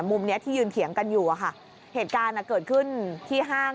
มุมเนี้ยที่ยืนเถียงกันอยู่อะค่ะเหตุการณ์อ่ะเกิดขึ้นที่ห้าง